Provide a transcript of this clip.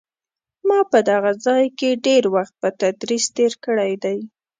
ما په دغه ځای کې ډېر وخت په تدریس تېر کړی دی.